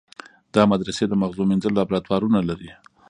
دا مدرسې د مغزو مینځلو لابراتوارونه لري.